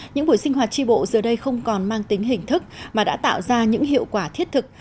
những buổi sinh hoạt tri bộ giờ đây không còn mang tính hình thức mà đã tạo ra những hiệu quả thiết thực